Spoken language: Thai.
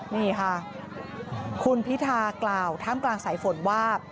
นี่ค่ะคุณพิธากล่าวท่ามกลางสายฝนว่า